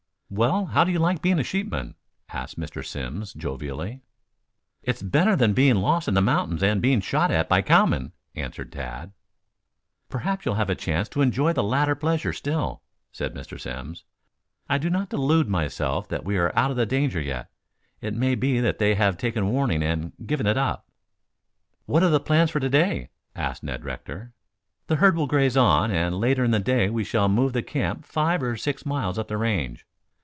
"Well, how do you like being a sheepman?" asked Mr. Simms jovially. "It's better than being lost in the mountains and being shot at by cowmen," averred Tad. "Perhaps you'll have a chance to enjoy the latter pleasure, still," said Mr. Simms. "I do not delude myself that we are out of danger yet; it may be that they have taken warning and given it up." "What are the plans for to day?" asked Ned Rector. "The herd will graze on, and later in the day we shall move the camp five or six miles up the range.